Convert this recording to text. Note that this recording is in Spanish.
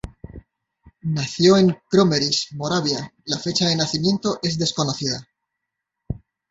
Nació en Kroměříž, Moravia, la fecha de nacimiento es desconocida.